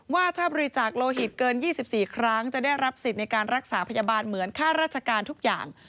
ว่าถ้าบริจาคโลหิตเกิน๒๔ครั้งจะได้รับสิทธิ์ในการรักษาพยาบาลเหมือนค่าราชการทุกอย่าง